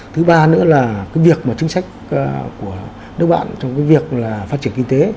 thứ ba nữa là cái việc mà chính sách của nước bạn trong cái việc là phát triển kinh tế